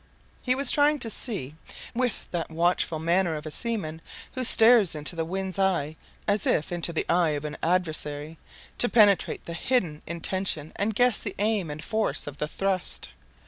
He was trying to see, with that watchful manner of a seaman who stares into the wind's eye as if into the eye of an adversary, to penetrate the hidden intention and guess the aim and force of the thrust.